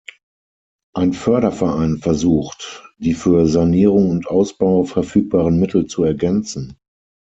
Ein Förderverein versucht, die für Sanierung und Ausbau verfügbaren Mittel zu ergänzen.